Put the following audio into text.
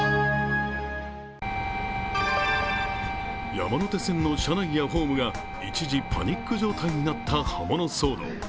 山手線の車内やホームが一時パニック状態になった刃物騒動。